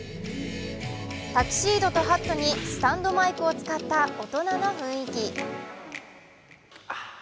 タキシードとハットにスタンドマイクを使った大人の雰囲気。